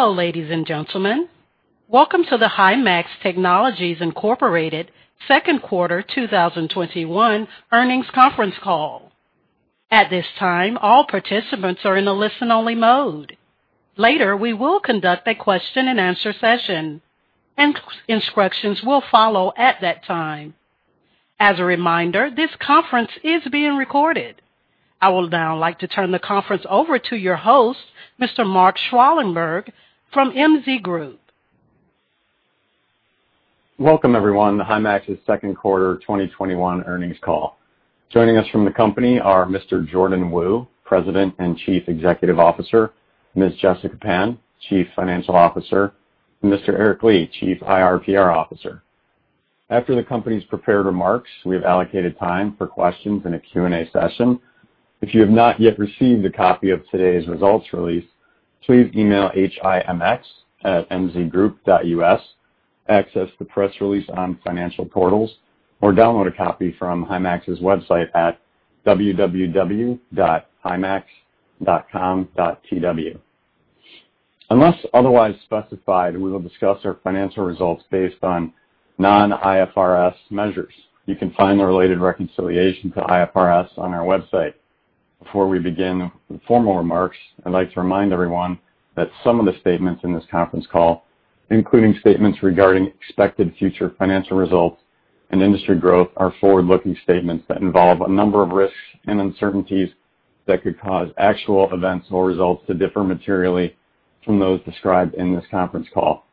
Hello, ladies and gentlemen. Welcome to the Himax Technologies, Inc. Second Quarter 2021 Earnings Conference Call. At this time, all participants are in a listen-only mode. Later, we will conduct a question and answer session, and instructions will follow at that time. As a reminder, this conference is being recorded. I will now like to turn the conference over to your host, Mr. Mark Schwalenberg, from MZ Group. Welcome, everyone, to Himax's Second Quarter 2021 Earnings Call. Joining us from the company are Mr. Jordan Wu, President and Chief Executive Officer, Ms. Jessica Pan, Chief Financial Officer, and Mr. Eric Li, Chief IR/PR Officer. After the company's prepared remarks, we have allocated time for questions in a Q&A session. If you have not yet received a copy of today's results release, please email himx@mzgroup.us, access the press release on financial portals, or download a copy from Himax's website at www.himax.com.tw. Unless otherwise specified, we will discuss our financial results based on non-IFRS measures. You can find the related reconciliation to IFRS on our website. Before we begin the formal remarks, I'd like to remind everyone that some of the statements in this conference call, including statements regarding expected future financial results and industry growth, are forward-looking statements that involve a number of risks and uncertainties that could cause actual events or results to differ materially from those described in this conference call.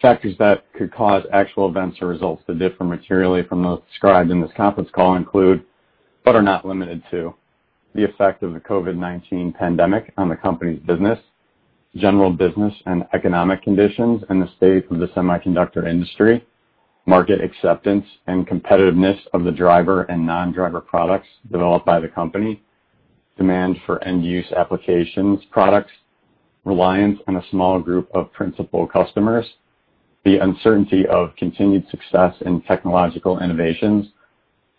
Factors that could cause actual events or results to differ materially from those described in this conference call include, but are not limited to, the effect of the COVID-19 pandemic on the company's business, general business and economic conditions, and the state of the semiconductor industry, market acceptance, and competitiveness of the driver and non-driver products developed by the company, demand for end-use applications products, reliance on a small group of principal customers, the uncertainty of continued success in technological innovations,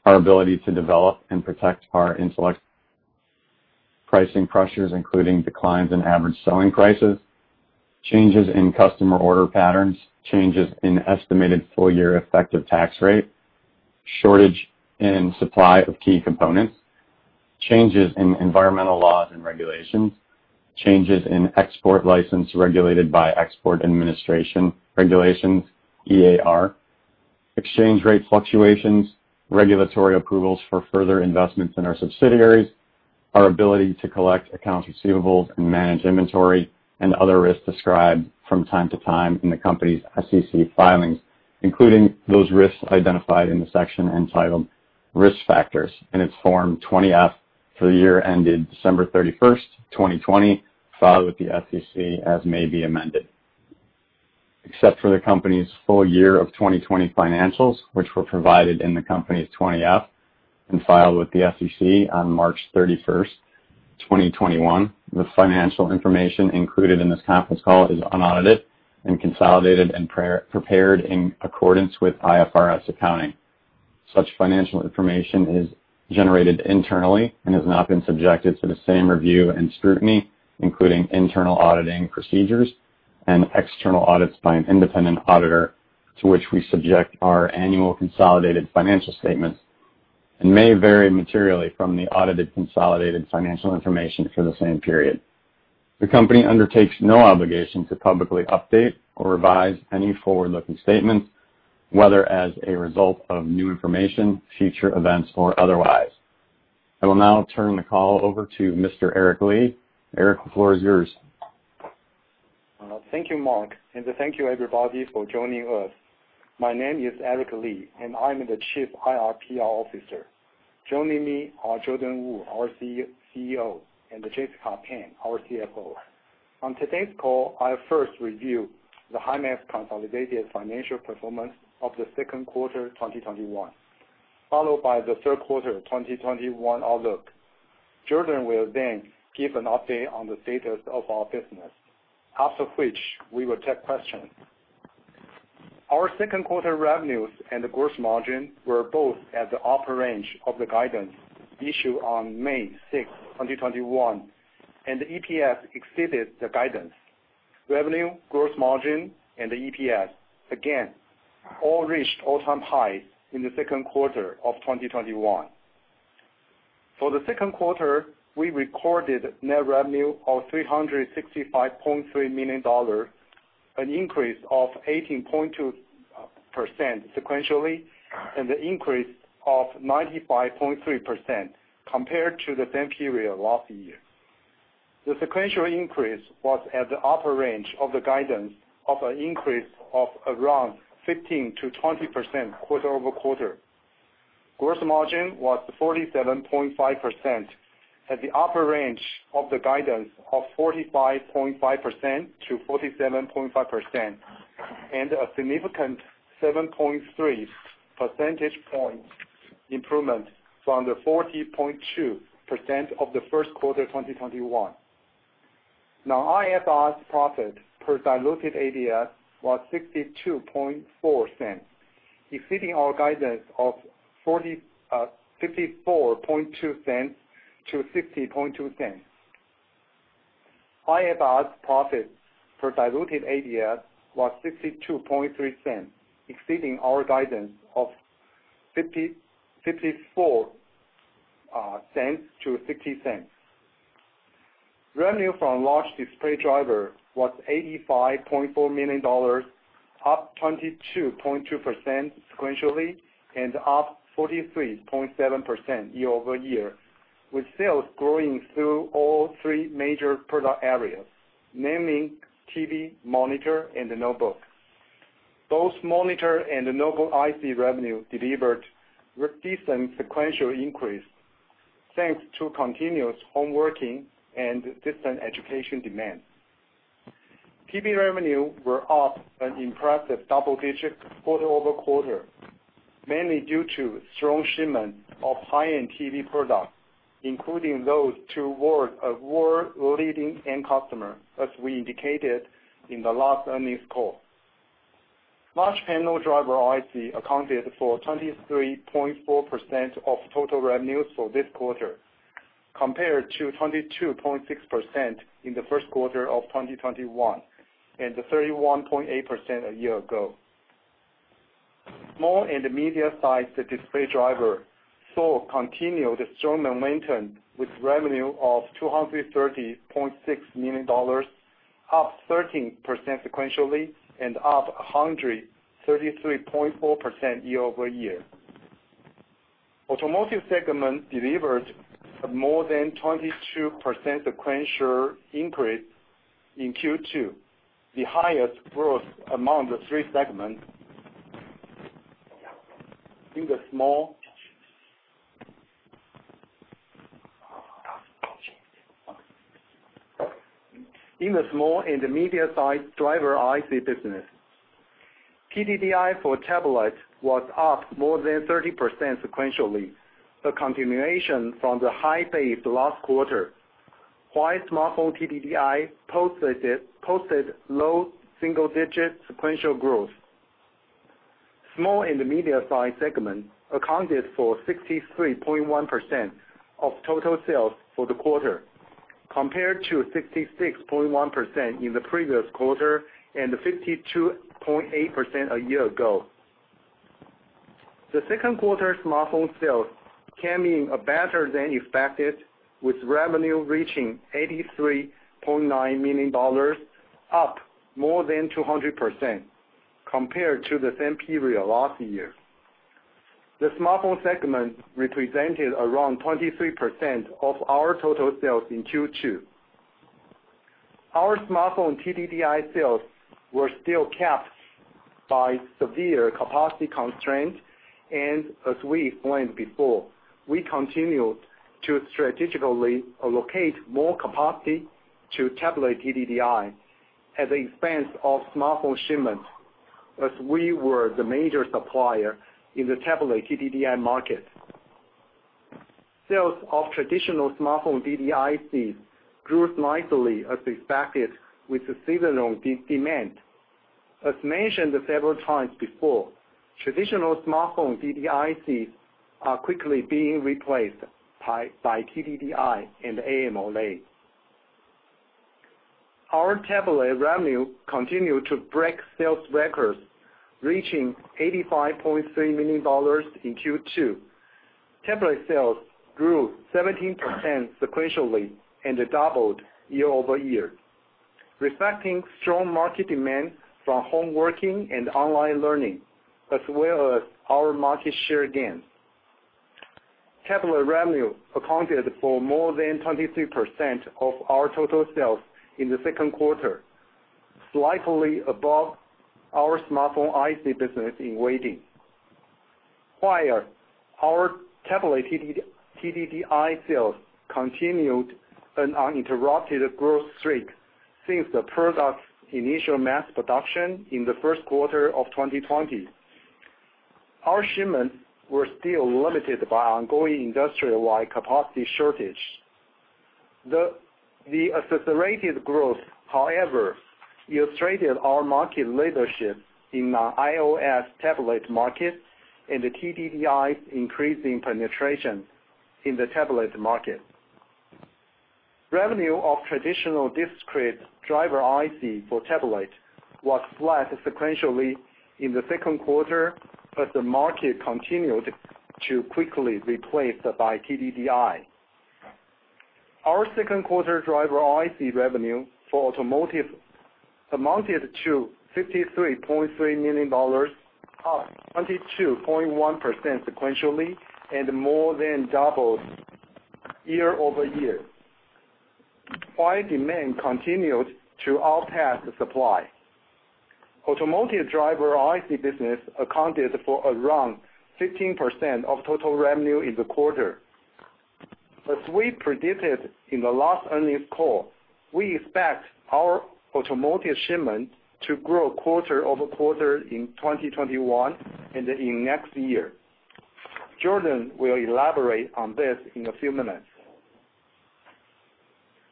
our ability to develop and protect our intellectual property, pricing pressures, including declines in average selling prices, changes in customer order patterns, changes in estimated full-year effective tax rate, shortage in supply of key components, changes in environmental laws and regulations, changes in export license regulated by Export Administration Regulations, EAR, exchange rate fluctuations, regulatory approvals for further investments in our subsidiaries, our ability to collect accounts receivables and manage inventory, and other risks described from time to time in the company's SEC filings, including those risks identified in the section entitled Risk Factors in its Form 20-F for the year ended December 31st, 2020, filed with the SEC as may be amended. Except for the company's full year of 2020 financials, which were provided in the company's 20-F and filed with the SEC on March 31st, 2021, the financial information included in this conference call is unaudited and consolidated and prepared in accordance with IFRS accounting. Such financial information is generated internally and has not been subjected to the same review and scrutiny, including internal auditing procedures and external audits by an independent auditor to which we subject our annual consolidated financial statements and may vary materially from the audited consolidated financial information for the same period. The company undertakes no obligation to publicly update or revise any forward-looking statements, whether as a result of new information, future events, or otherwise. I will now turn the call over to Mr. Eric Li. Eric, the floor is yours. Thank you, Mark, and thank you, everybody, for joining us. My name is Eric Li. I'm the Chief IR/PR Officer. Joining me are Jordan Wu, our CEO, Jessica Pan, our CFO. On today's call, I'll first review the Himax consolidated financial performance of the second quarter 2021, followed by the third quarter 2021 outlook. Jordan will give an update on the status of our business, after which we will take questions. Our second quarter revenues and the gross margin were both at the upper range of the guidance issued on May 6, 2021. The EPS exceeded the guidance. Revenue, gross margin, and EPS, again, all reached all-time highs in the second quarter of 2021. For the second quarter, we recorded net revenue of $365.3 million, an increase of 18.2% sequentially, an increase of 95.3% compared to the same period last year. The sequential increase was at the upper range of the guidance of an increase of around 15%-20% quarter-over-quarter. Gross margin was 47.5% at the upper range of the guidance of 45.5%-47.5%, and a significant 7.3 percentage point improvement from the 40.2% of the first quarter 2021. Non-IFRS profit per diluted ADS was $0.624. Exceeding our guidance of $0.542-$0.602. IFRS profits for diluted ADS was $0.623, exceeding our guidance of $0.54-$0.60. Revenue from large display driver was $85.4 million, up 22.2% sequentially and up 43.7% year-over-year, with sales growing through all three major product areas, namely TV, monitor, and the notebook. Both monitor and the notebook IC revenue delivered a decent sequential increase, thanks to continuous home working and distance education demand. TV revenue were up an impressive double digits quarter-over-quarter, mainly due to strong shipment of high-end TV products, including those to world's leading end customer, as we indicated in the last earnings call. Large panel driver IC accounted for 23.4% of total revenue for this quarter, compared to 22.6% in the first quarter of 2021, and to 31.8% a year ago. Small and medium-size display driver saw continued strong momentum with revenue of $230.6 million, up 13% sequentially and up 133.4% year-over-year. Automotive segment delivered more than 22% sequential increase in Q2, the highest growth among the three segments. In the small and medium-size driver IC business, TDDI for tablet was up more than 30% sequentially, a continuation from the high base last quarter. While smartphone TDDI posted low single-digit sequential growth. Small and the medium size segment accounted for 63.1% of total sales for the quarter, compared to 66.1% in the previous quarter and to 52.8% a year ago. The second quarter smartphone sales came in better than expected, with revenue reaching $83.9 million, up more than 200% compared to the same period last year. The smartphone segment represented around 23% of our total sales in Q2. Our smartphone TDDI sales were still capped by severe capacity constraints, and as we explained before, we continued to strategically allocate more capacity to tablet TDDI at the expense of smartphone shipments, as we were the major supplier in the tablet TDDI market. Sales of traditional smartphone DDIC grew slightly as expected, with the seasonal demand. As mentioned several times before, traditional smartphone DDIC are quickly being replaced by TDDI and AMOLED. Our tablet revenue continued to break sales records, reaching $85.3 million in Q2. Tablet sales grew 17% sequentially and it doubled year-over-year, reflecting strong market demand from home working and online learning, as well as our market share gains. Tablet revenue accounted for more than 23% of our total sales in the second quarter, slightly above our smartphone IC business in weighting. While our tablet TDDI sales continued an uninterrupted growth streak since the product's initial mass production in the first quarter of 2020. Our shipments were still limited by ongoing industry-wide capacity shortage. The accelerated growth, however, illustrated our market leadership in the iOS tablet market and the TDDI's increasing penetration in the tablet market. Revenue of traditional discrete driver IC for tablet was flat sequentially in the second quarter, but the market continued to quickly replace by TDDI. Our second quarter driver IC revenue for automotive amounted to $53.3 million, up 22.1% sequentially and more than doubled year-over-year. While demand continued to outpace the supply. Automotive driver IC business accounted for around 15% of total revenue in the quarter. As we predicted in the last earnings call, we expect our automotive shipments to grow quarter-over-quarter in 2021, and in next year. Jordan will elaborate on this in a few minutes.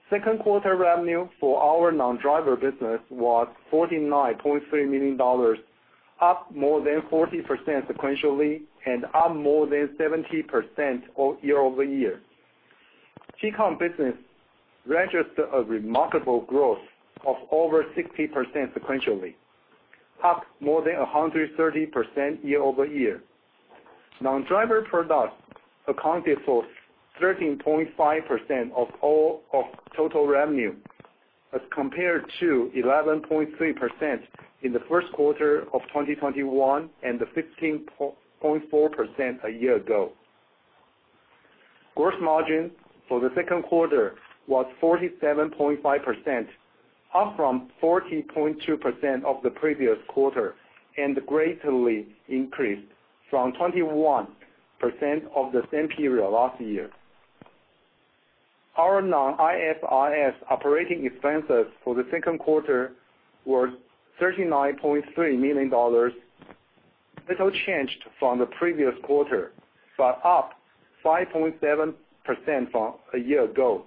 Second quarter revenue for our non-driver business was $49.3 million, up more than 40% sequentially and up more than 70% year-over-year. Tcon business registered a remarkable growth of over 60% sequentially, up more than 130% year-over-year. Non-driver products accounted for 13.5% of total revenue as compared to 11.3% in the first quarter of 2021 and 15.4% a year ago. Gross margin for the second quarter was 47.5%, up from 40.2% of the previous quarter, and greatly increased from 21% of the same period last year. Our non-IFRS operating expenses for the second quarter were $39.3 million, little changed from the previous quarter, but up 5.7% from a year ago,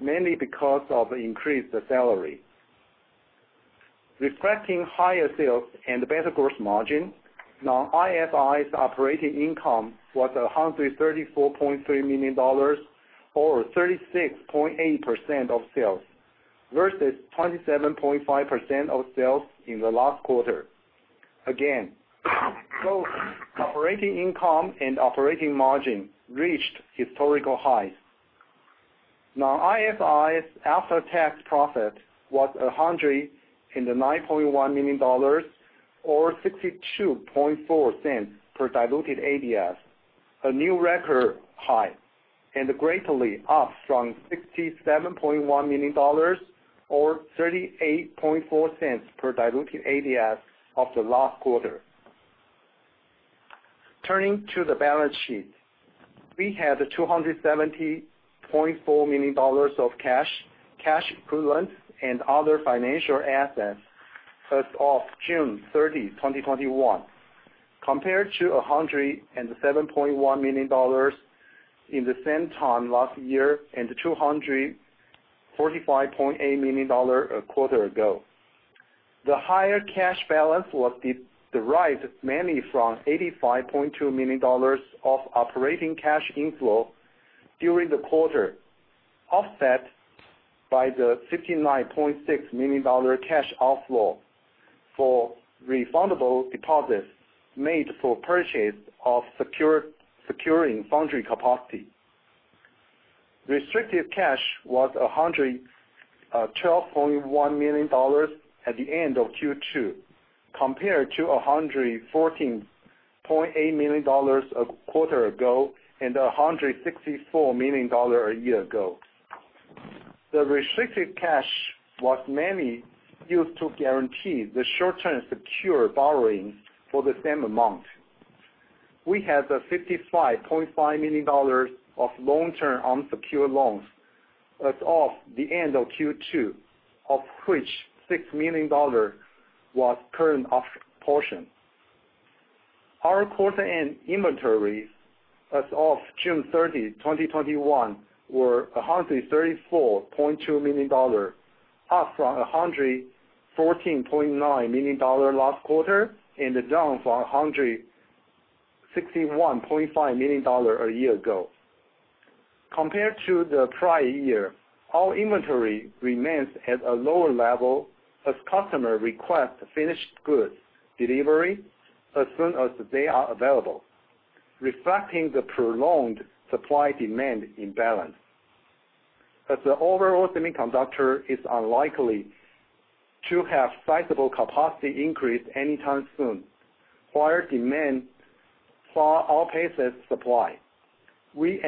mainly because of increased salary. Reflecting higher sales and better gross margin, non-IFRS operating income was $134.3 million or 36.8% of sales versus 27.5% of sales in the last quarter. Again, both operating income and operating margin reached historical highs. Non-IFRS after-tax profit was $109.1 million or $0.624 per diluted ADS, a new record high and greatly up from $67.1 million or $0.384 per diluted ADS of the last quarter. Turning to the balance sheet. We had $270.4 million of cash equivalents, and other financial assets as of June 30, 2021, compared to $107.1 million in the same time last year and $245.8 million a quarter ago. The higher cash balance was derived mainly from $85.2 million of operating cash inflow during the quarter, offset by the $59.6 million cash outflow for refundable deposits made for purchase of securing foundry capacity. Restricted cash was $112.1 million at the end of Q2, compared to $114.8 million a quarter ago and $164 million a year ago. The restricted cash was mainly used to guarantee the short-term secured borrowing for the same amount. We had $55.5 million of long-term unsecured loans as of the end of Q2, of which $6 million was current portion. Our quarter-end inventories as of June 30, 2021, were $134.2 million, up from $114.9 million last quarter and down from $161.5 million a year ago. Compared to the prior year, our inventory remains at a lower level as customer request finished goods delivery as soon as they are available, reflecting the prolonged supply-demand imbalance. As the overall semiconductor is unlikely to have sizable capacity increase anytime soon, while demand far outpaces supply, we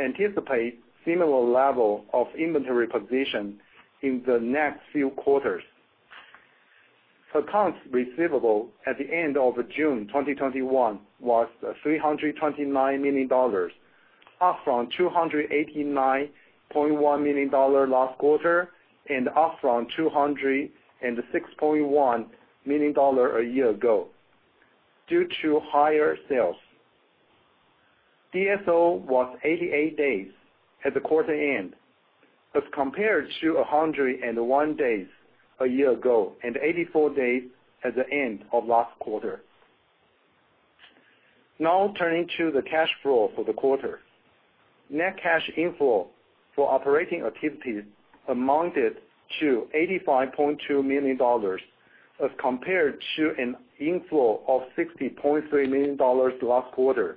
anticipate similar level of inventory position in the next few quarters. Accounts receivable at the end of June 2021 was $329 million, up from $289.1 million last quarter and up from $206.1 million a year ago due to higher sales. DSO was 88 days at the quarter-end as compared to 101 days a year ago and 84 days at the end of last quarter. Turning to the cash flow for the quarter. Net cash inflow for operating activities amounted to $85.2 million as compared to an inflow of $60.3 million last quarter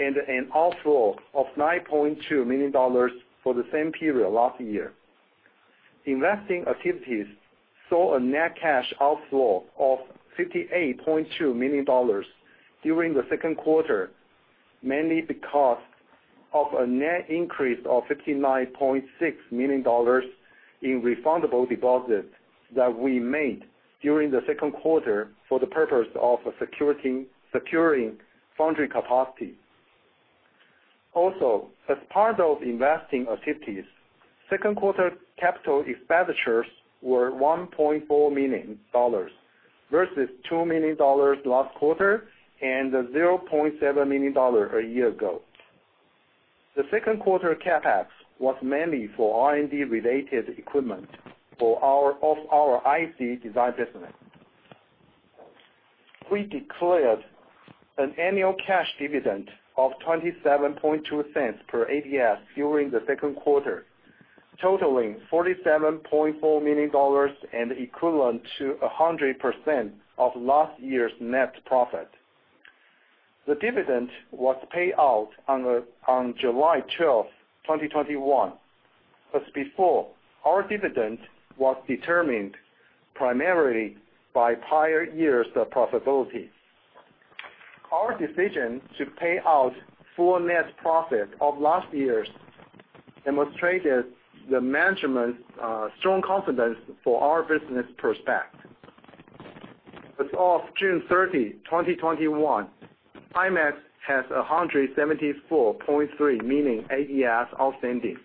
and an outflow of $9.2 million for the same period last year. Investing activities saw a net cash outflow of $58.2 million during the second quarter, mainly because of a net increase of $59.6 million in refundable deposits that we made during the second quarter for the purpose of securing foundry capacity. Also, as part of investing activities, second quarter capital expenditures were $1.4 million. Versus $2 million last quarter and $0.7 million a year ago. The second quarter CapEx was mainly for R&D-related equipment of our IC design business. We declared an annual cash dividend of $0.272 per ADS during the second quarter, totaling $47.4 million and equivalent to 100% of last year's net profit. The dividend was paid out on July 12, 2021. As before, our dividend was determined primarily by prior years of profitability. Our decision to pay out full net profit of last year demonstrated the management's strong confidence for our business prospect. As of June 30, 2021, Himax has 174.3 million ADS outstanding.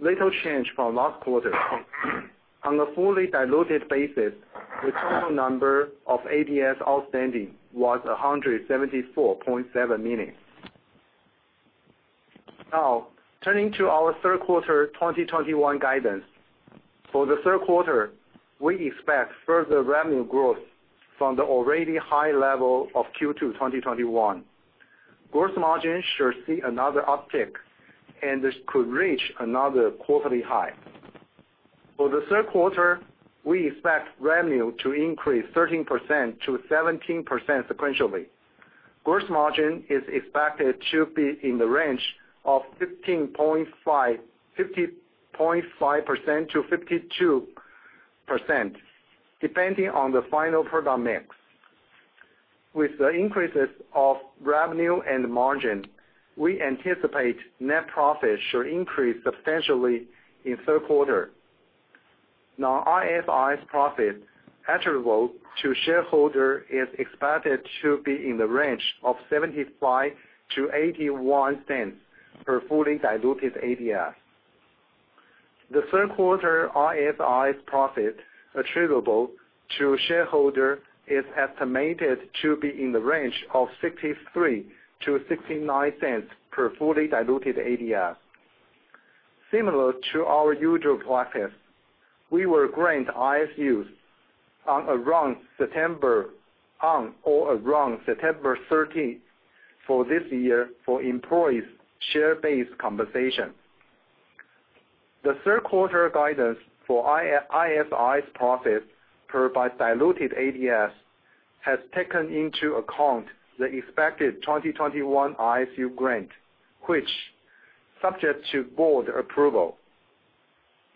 Little change from last quarter. On a fully diluted basis, the total number of ADS outstanding was 174.7 million. Now, turning to our third quarter 2021 guidance. For the third quarter, we expect further revenue growth from the already high level of Q2 2021. Gross margin should see another uptick, and this could reach another quarterly high. For the third quarter, we expect revenue to increase 13%-17% sequentially. Gross margin is expected to be in the range of 50.5%-52%, depending on the final product mix. With the increases of revenue and margin, we anticipate net profit should increase substantially in third quarter. Non-IFRS profit attributable to shareholder is expected to be in the range of $0.75-$0.81 per fully diluted ADS. The third quarter IFRS profit attributable to shareholder is estimated to be in the range of $0.63-$0.69 per fully diluted ADS. Similar to our usual practice, we will grant RSUs on or around September 13th for this year for employees' share-based compensation. The third quarter guidance for IFRS profit per diluted ADS has taken into account the expected 2021 RSU grant, which subject to board approval,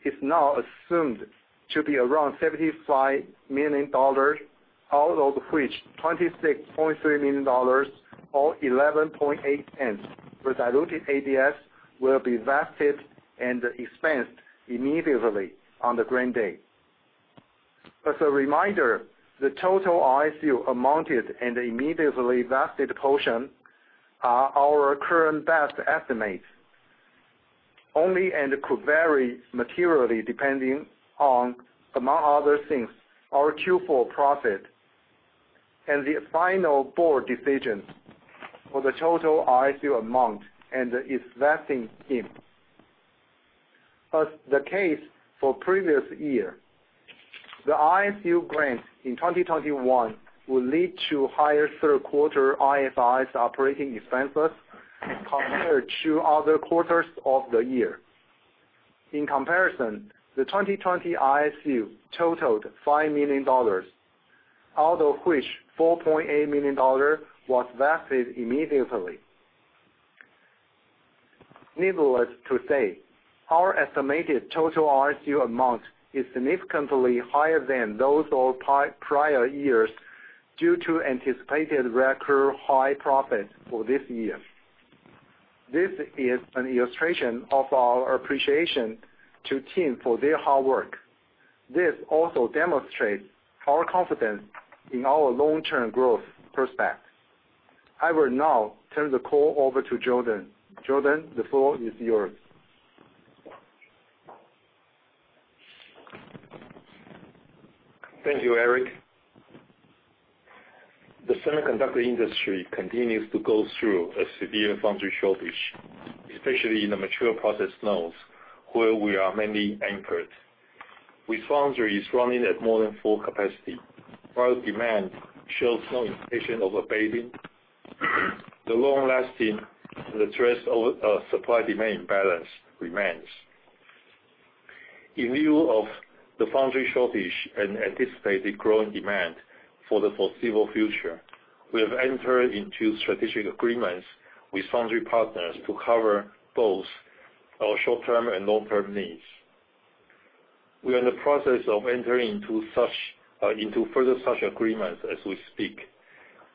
is now assumed to be around $75 million, out of which $26.3 million or $0.118 per diluted ADS will be vested and expensed immediately on the grant date. As a reminder, the total RSU amounted and immediately vested portion are our current best estimates only and could vary materially depending on, among other things, our Q4 profit and the final board decision for the total RSU amount and its vesting scheme. As the case for previous year, the RSU grant in 2021 will lead to higher third quarter IFRS operating expenses compared to other quarters of the year. In comparison, the 2020 RSU totaled $5 million, out of which $4.8 million was vested immediately. Needless to say, our estimated total RSU amount is significantly higher than those of prior years due to anticipated record high profit for this year. This is an illustration of our appreciation to team for their hard work. This also demonstrates our confidence in our long-term growth prospects. I will now turn the call over to Jordan. Jordan, the floor is yours. Thank you, Eric. The semiconductor industry continues to go through a severe foundry shortage, especially in the mature process nodes where we are mainly anchored. With foundries running at more than full capacity, while demand shows no intention of abating, the long-lasting threat of supply-demand imbalance remains. In lieu of the foundry shortage and anticipated growing demand for the foreseeable future, we have entered into strategic agreements with foundry partners to cover both our short-term and long-term needs. We are in the process of entering into further such agreements as we speak,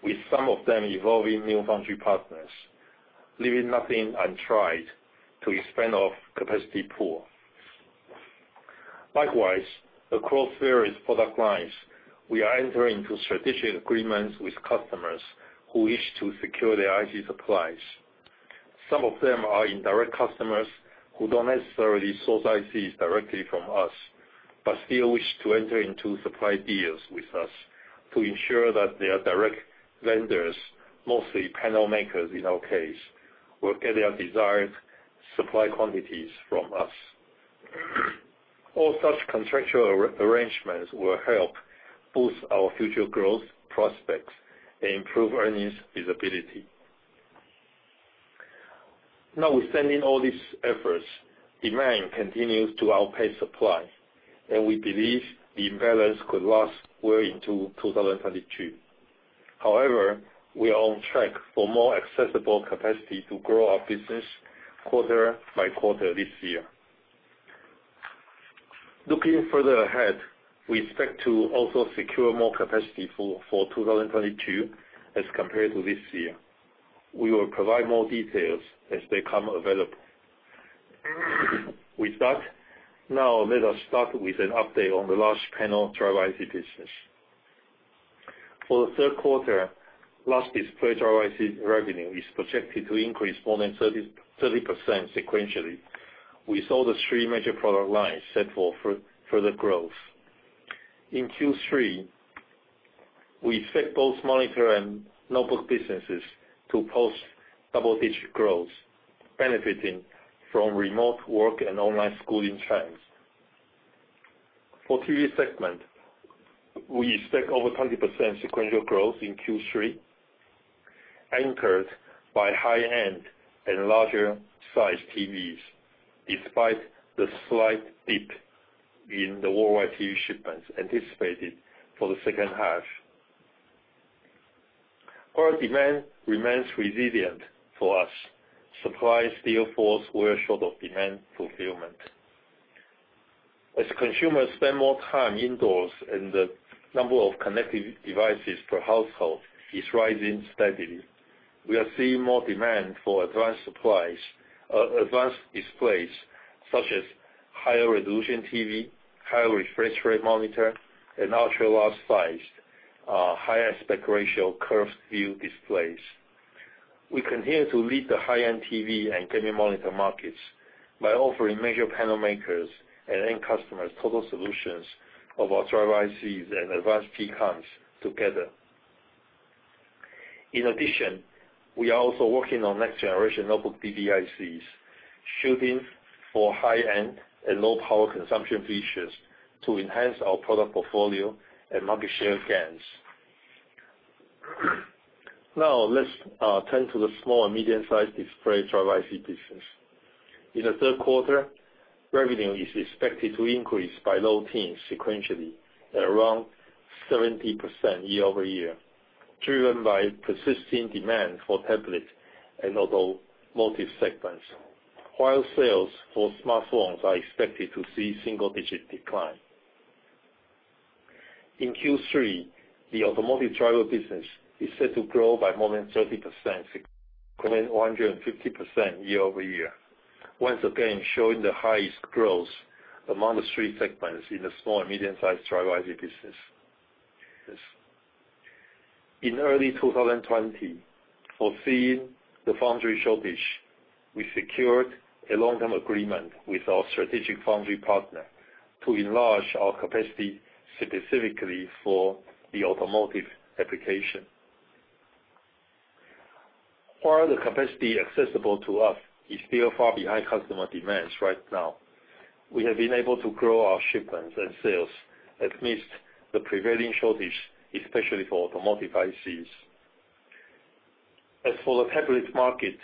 with some of them involving new foundry partners, leaving nothing untried to expand our capacity pool. Likewise, across various product lines, we are entering into strategic agreements with customers who wish to secure their IC supplies. Some of them are indirect customers who don't necessarily source ICs directly from us, but still wish to enter into supply deals with us to ensure that their direct vendors, mostly panel makers in our case, will get their desired supply quantities from us. All such contractual arrangements will help boost our future growth prospects and improve earnings visibility. Withstanding all these efforts, demand continues to outpace supply, and we believe the imbalance could last well into 2022. We are on track for more accessible capacity to grow our business quarter by quarter this year. Looking further ahead, we expect to also secure more capacity for 2022 as compared to this year. We will provide more details as they become available. With that, now let us start with an update on the large panel driver IC business. For the third quarter, large display driver IC revenue is projected to increase more than 30% sequentially. We saw the three major product lines set for further growth. In Q3, we expect both monitor and notebook businesses to post double-digit growth, benefiting from remote work and online schooling trends. For TV segment, we expect over 20% sequential growth in Q3, anchored by high-end and larger sized TVs, despite the slight dip in the worldwide TV shipments anticipated for the second half. While demand remains resilient for us, supply still falls well short of demand fulfillment. As consumers spend more time indoors and the number of connected devices per household is rising steadily, we are seeing more demand for advanced displays, such as higher resolution TV, higher refresh rate monitor, and ultra wide sized higher aspect ratio curved view displays. We continue to lead the high-end TV and gaming monitor markets by offering major panel makers and end customers total solutions of our driver ICs and advanced Tcons together. In addition, we are also working on next generation notebook DDIC, shooting for high-end and low power consumption features to enhance our product portfolio and market share gains. Now, let's turn to the small and medium sized display driver IC business. In the third quarter, revenue is expected to increase by low teens sequentially at around 17% year-over-year, driven by persisting demand for tablet and automotive segments. While sales for smartphones are expected to see single-digit decline. In Q3, the automotive driver business is set to grow by more than 30%, coming 150% year-over-year. Once again, showing the highest growth among the three segments in the small and medium-sized driver IC business. In early 2020, foreseeing the foundry shortage, we secured a long-term agreement with our strategic foundry partner to enlarge our capacity specifically for the automotive application. While the capacity accessible to us is still far behind customer demands right now, we have been able to grow our shipments and sales amidst the prevailing shortage, especially for automotive ICs. As for the tablet market,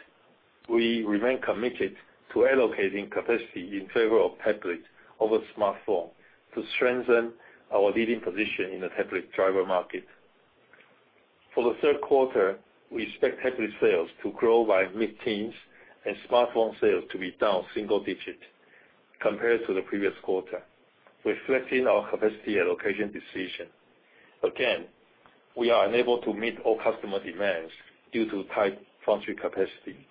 we remain committed to allocating capacity in favor of tablet over smartphone to strengthen our leading position in the tablet driver market. For the third quarter, we expect tablet sales to grow by mid-teens and smartphone sales to be down single digit compared to the previous quarter, reflecting our capacity allocation decision. Again, we are unable to meet all customer demands due to tight foundry capacity.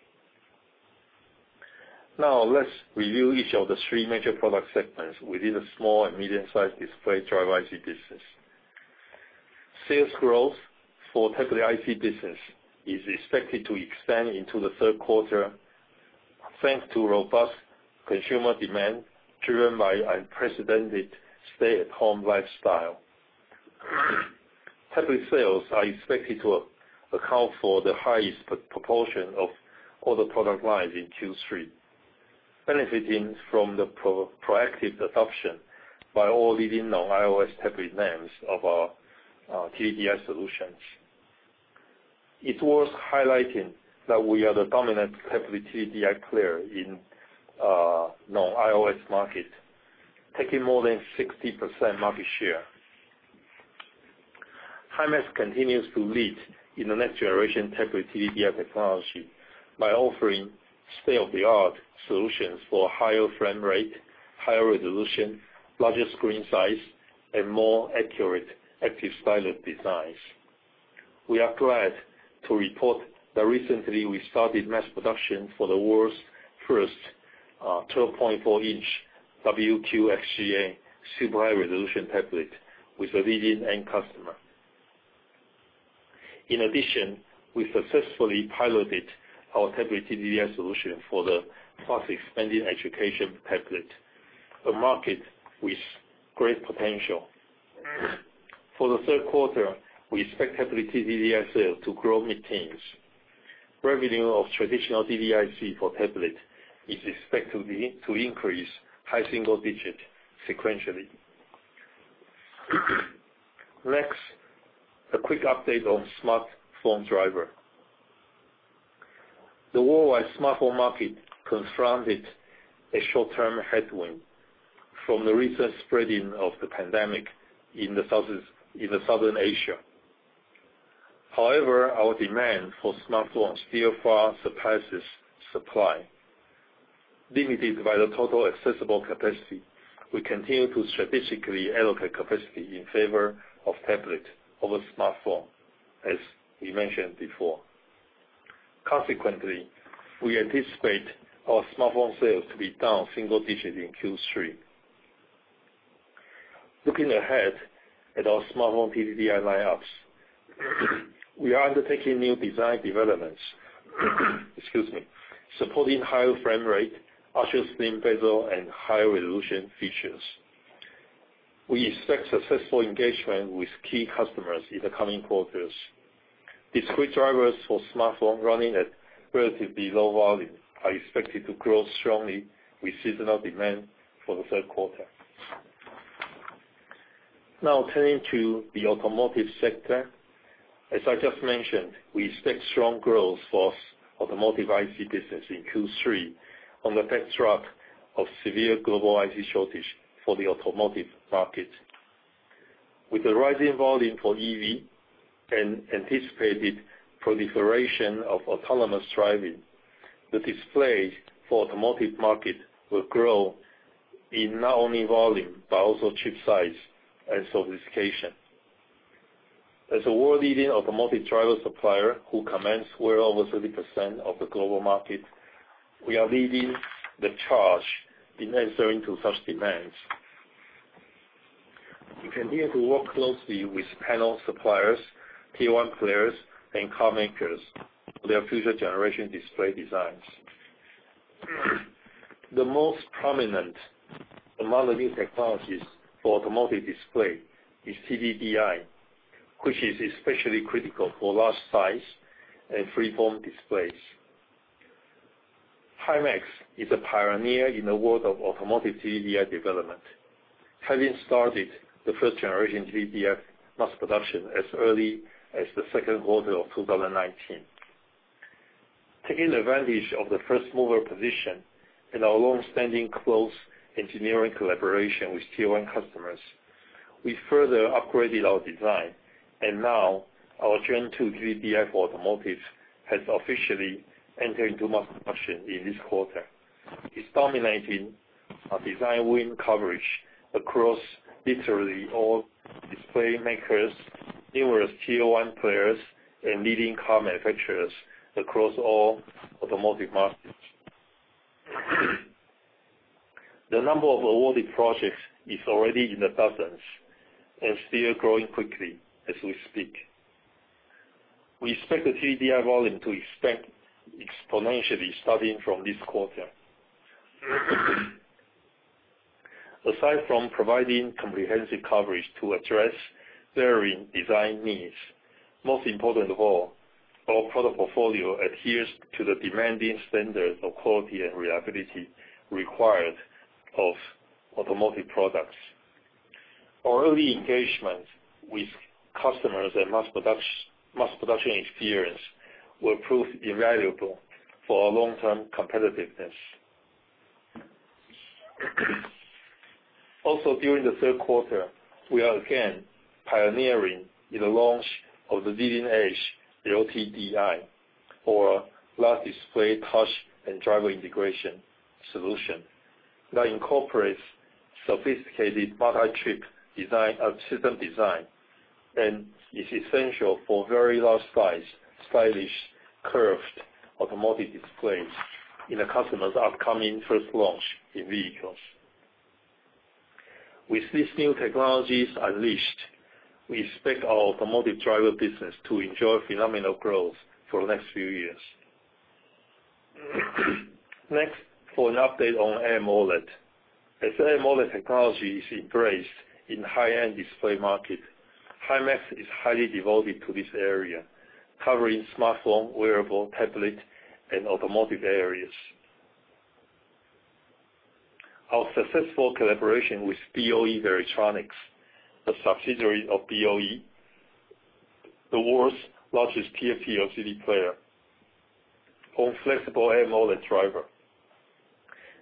Now, let's review each of the three major product segments within the small and medium sized display driver IC business. Sales growth for tablet IC business is expected to expand into the third quarter, thanks to robust consumer demand, driven by unprecedented stay-at-home lifestyle. Tablet sales are expected to account for the highest proportion of all the product lines in Q3, benefiting from the proactive adoption by all leading non-iOS tablet names of our TDDI solutions. It's worth highlighting that we are the dominant tablet TDDI player in non-iOS market, taking more than 60% market share. Himax continues to lead in the next-generation tablet TDDI technology by offering state-of-the-art solutions for higher frame rate, higher resolution, larger screen size, and more accurate active stylus designs. We are glad to report that recently we started mass production for the world's first 12.4-in WQXGA super high-resolution tablet with a leading end customer. In addition, we successfully piloted our tablet TDDI solution for the fast-expanding education tablet, a market with great potential. For the third quarter, we expect tablet TDDI sales to grow mid-tens. Revenue of traditional TDDI IC for tablet is expected to increase high single-digit sequentially. Next, a quick update on smartphone driver. The worldwide smartphone market confronted a short-term headwind from the recent spreading of the pandemic in the Southeast Asia. However, our demand for smartphones still far surpasses supply. Limited by the total accessible capacity, we continue to strategically allocate capacity in favor of tablet over smartphone, as we mentioned before. Consequently, we anticipate our smartphone sales to be down single digit in Q3. Looking ahead at our smartphone TDDI lineups, we are undertaking new design developments, supporting higher frame rate, ultra slim bezel, and higher resolution features. We expect successful engagement with key customers in the coming quarters. Discrete drivers for smartphone running at relatively low volume are expected to grow strongly with seasonal demand for the third quarter. Turning to the automotive sector. As I just mentioned, we expect strong growth for automotive IC business in Q3 on the backdrop of severe global IC shortage for the automotive market. With the rising volume for EV and anticipated proliferation of autonomous driving, the display for automotive market will grow in not only volume, but also chip size and sophistication. As a world-leading automotive driver supplier who commands well over 30% of the global market, we are leading the charge in answering to such demands. We continue to work closely with panel suppliers, Tier 1 players, and car makers for their future generation display designs. The most prominent among the new technologies for automotive display is TDDI, which is especially critical for large size and free-form displays. Himax is a pioneer in the world of automotive TDDI development, having started the first generation TDDI mass production as early as the second quarter of 2019. Taking advantage of the first-mover position and our long-standing close engineering collaboration with Tier 1 customers, we further upgraded our design, and now our 2nd -gen TDDI for automotives has officially entered into mass production in this quarter. It's dominating our design win coverage across literally all display makers, numerous Tier 1 players, and leading car manufacturers across all automotive markets. The number of awarded projects is already in the thousands and still growing quickly as we speak. We expect the TDDI volume to expand exponentially starting from this quarter. Aside from providing comprehensive coverage to address varying design needs, most important of all, our product portfolio adheres to the demanding standards of quality and reliability required of automotive products. Our early engagement with customers and mass production experience will prove invaluable for our long-term competitiveness. During the third quarter, we are again pioneering in the launch of the leading edge LTDI, or large display touch and driver integration solution that incorporates sophisticated multi-chip system design and is essential for very large size, stylish, curved automotive displays in the customer's upcoming first launch in vehicles. With these new technologies unleashed, we expect our automotive driver business to enjoy phenomenal growth for the next few years. Next, for an update on AMOLED. As AMOLED technology is embraced in high-end display market, Himax is highly devoted to this area, covering smartphone, wearable, tablet, and automotive areas. Our successful collaboration with BOE Varitronix, a subsidiary of BOE, the world's largest TFT LCD player on flexible AMOLED driver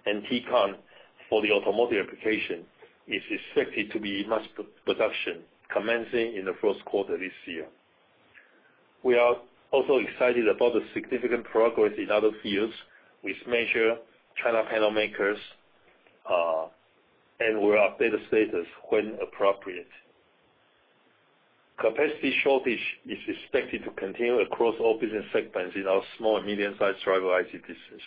and Tcon for the automotive application, is expected to be in mass production commencing in the first quarter this year. We are also excited about the significant progress in other fields with major China panel makers, and will update the status when appropriate. Capacity shortage is expected to continue across all business segments in our small and medium-sized driver IC business.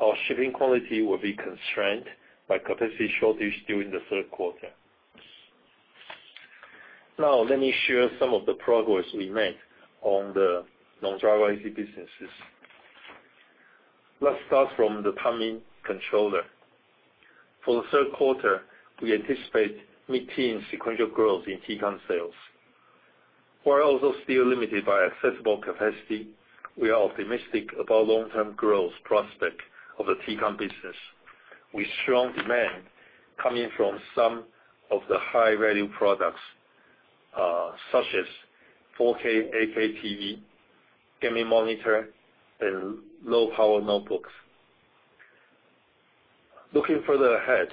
Our shipping quantity will be constrained by capacity shortage during the third quarter. Now let me share some of the progress we made on the non-driver IC businesses. Let's start from the timing controller. For the third quarter, we anticipate mid-teen sequential growth in Tcon sales. While also still limited by accessible capacity, we are optimistic about long-term growth prospect of the Tcon business, with strong demand coming from some of the high-value products such as 4K, 8K TV, gaming monitor, and low-power notebooks. Looking further ahead,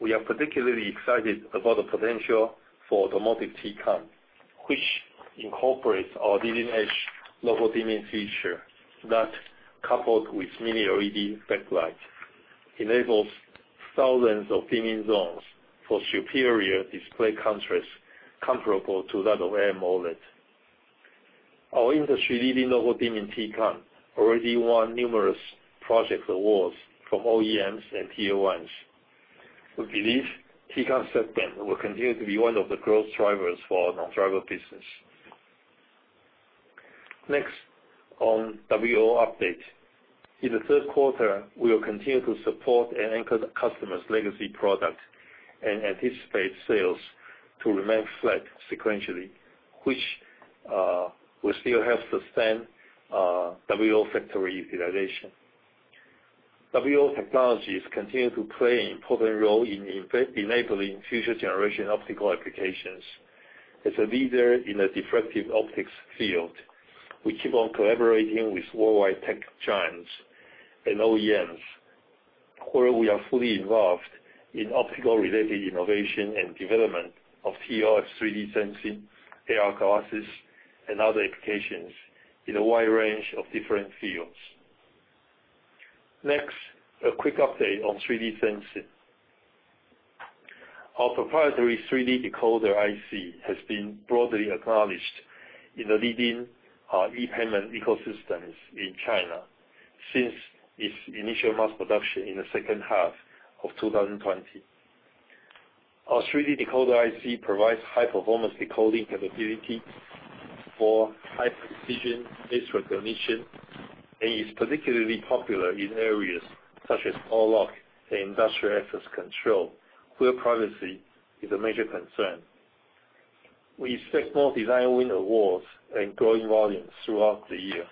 we are particularly excited about the potential for automotive Tcon, which incorporates our leading-edge local dimming feature that, coupled with mini LED backlight, enables thousands of dimming zones for superior display contrast comparable to that of AMOLED. Our industry-leading local dimming Tcon already won numerous project awards from OEMs and Tier 1s. We believe Tcon segment will continue to be one of the growth drivers for our non-driver business. Next, on WLO update. In the third quarter, we will continue to support and anchor the customer's legacy product and anticipate sales to remain flat sequentially, which will still help sustain WLO factory utilization. WLO technologies continue to play an important role in enabling future generation optical applications. As a leader in the diffractive optics field, we keep on collaborating with worldwide tech giants and OEMs, where we are fully involved in optical related innovation and development of ToF 3D sensing, AR glasses, and other applications in a wide range of different fields. Next, a quick update on 3D sensing. Our proprietary 3D decoder IC has been broadly acknowledged in the leading e-payment ecosystems in China since its initial mass production in the second half of 2020. Our 3D decoder IC provides high-performance decoding capability for high precision face recognition and is particularly popular in areas such as door lock and industrial access control, where privacy is a major concern. We expect more design win awards and growing volumes throughout the year.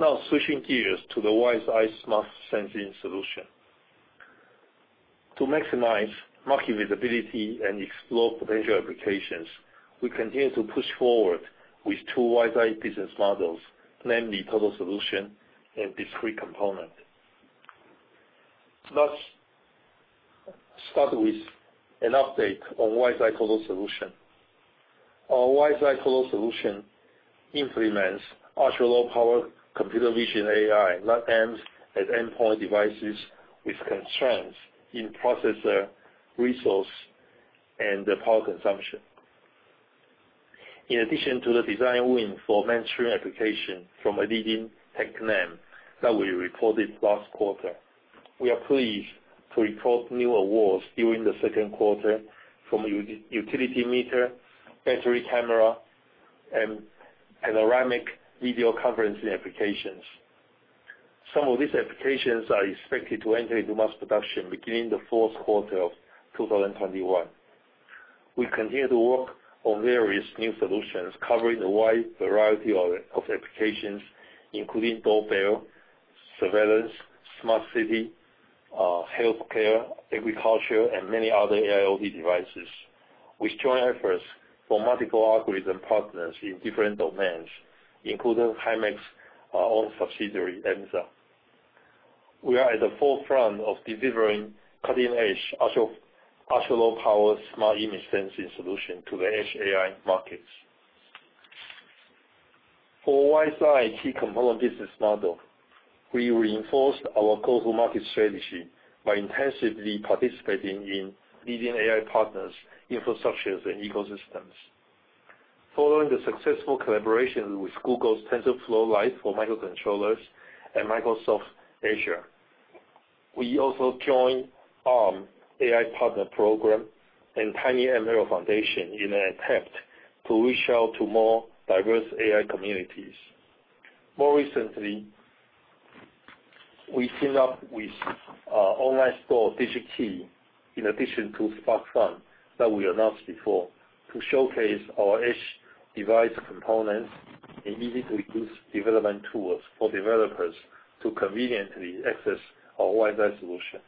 Now switching gears to the WiseEye smart sensing solution. To maximize market visibility and explore potential applications, we continue to push forward with two WiseEye business models, namely total solution and discrete component. Let's start with an update on WiseEye total solution. Our WiseEye total solution implements ultra-low power computer vision AI that ends at endpoint devices with constraints in processor resource and power consumption. In addition to the design win for mentoring application from a leading tech name that we reported last quarter, we are pleased to report new awards during the second quarter from utility meter, battery camera, and panoramic video conferencing applications. Some of these applications are expected to enter into mass production beginning the fourth quarter of 2021. We continue to work on various new solutions covering a wide variety of applications, including doorbell, surveillance, smart city, healthcare, agriculture, and many other AIoT devices. We join efforts for multiple algorithm partners in different domains, including Himax, our own subsidiary, Emza. We are at the forefront of delivering cutting-edge, ultra-low power, smart image sensing solution to the edge AI markets. For WiseEye key component business model, we reinforce our total market strategy by intensively participating in leading AI partners, infrastructures, and ecosystems. Following the successful collaboration with Google's TensorFlow Lite for microcontrollers and Microsoft Azure, we also joined Arm AI Partner Program and TinyML Foundation in an attempt to reach out to more diverse AI communities. More recently, we teamed up with online store Digi-Key in addition to SparkFun that we announced before, to showcase our edge device components and easy-to-use development tools for developers to conveniently access our WiseEye solution.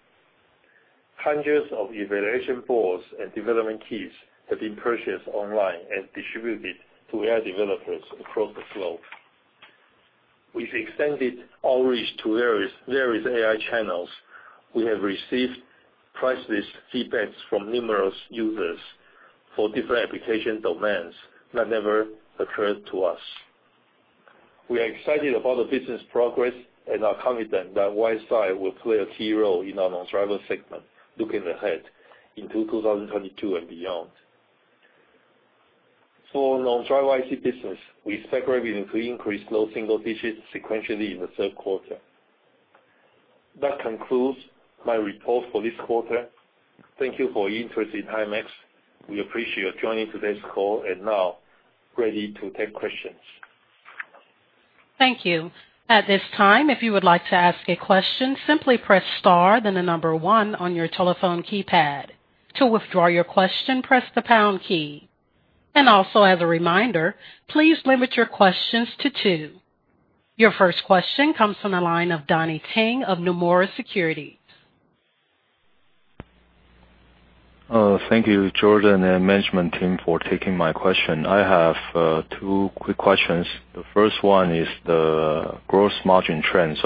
Hundreds of evaluation boards and development kits have been purchased online and distributed to AI developers across the globe. We've extended our reach to various AI channels. We have received priceless feedback from numerous users for different application domains that never occurred to us. We are excited about the business progress and are confident that WiseEye will play a key role in our non-driver segment looking ahead into 2022 and beyond. On our driver IC business, we expect revenue to increase low single digits sequentially in the third quarter. That concludes my report for this quarter. Thank you for your interest in Himax. We appreciate you joining today's call, now, ready to take questions. Thank you. At this time, if you would like to ask a question, simply press star, then the number one on your telephone keypad. To withdraw your question, press the pound key. Also as a reminder, please limit your questions to two. Your first question comes from the line of Donnie Teng of Nomura Securities. Thank you, Jordan and management team, for taking my question. I have two quick questions. The first one is the gross margin trend.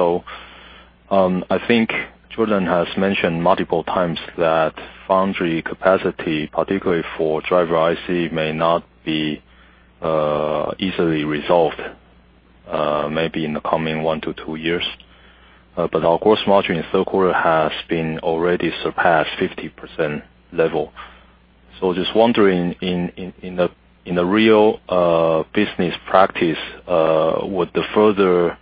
I think Jordan has mentioned multiple times that foundry capacity, particularly for driver IC, may not be easily resolved, maybe in the coming one to two years. Our gross margin in the third quarter has been already surpassed 50% level. Just wondering, in the real business practice, would the further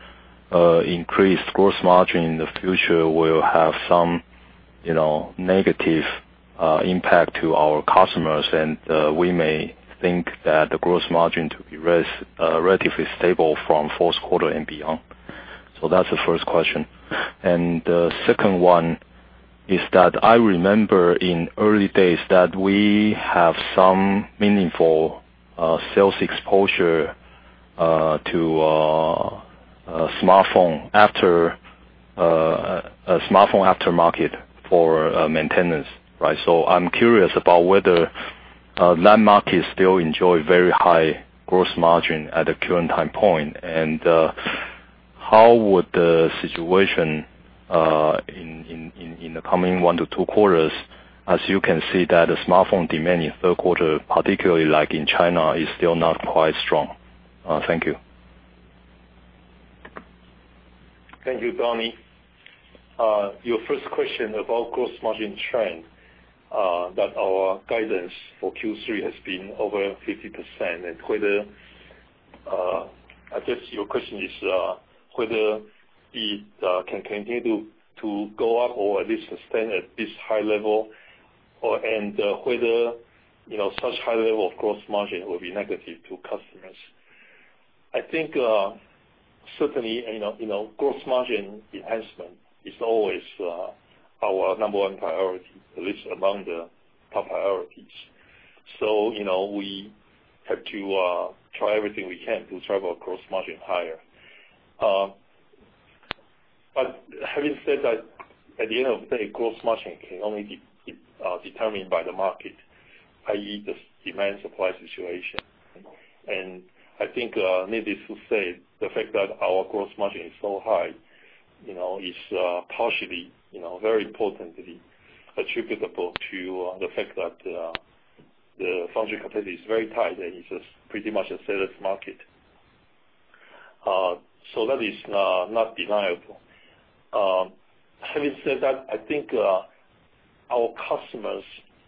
increased gross margin in the future will have some negative impact to our customers, and we may think that the gross margin to be relatively stable from fourth quarter and beyond? That's the first question. The second one is that I remember in early days that we have some meaningful sales exposure to smartphone aftermarket for maintenance, right? I'm curious about whether that market still enjoy very high gross margin at the current time point, and how would the situation in the coming one to two quarters, as you can see that the smartphone demand in third quarter, particularly like in China, is still not quite strong. Thank you. Thank you, Donnie. Your first question about gross margin trend, that our guidance for Q3 has been over 50%. I guess your question is, whether it can continue to go up or at least sustain at this high level, and whether such high level of gross margin will be negative to customers. I think, certainly, gross margin enhancement is always our number one priority, at least among the top priorities. We have to try everything we can to drive our gross margin higher. Having said that, at the end of the day, gross margin can only be determined by the market, i.e., the demand supply situation. I think, needless to say, the fact that our gross margin is so high, is partially, very importantly attributable to the fact that the foundry capacity is very tight and it's just pretty much a seller's market. That is not deniable. Having said that, I think our customers